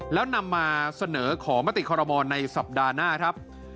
แล้วนำมาเสนอขอมติคอรมอลในสัปดาห์หน้าครับ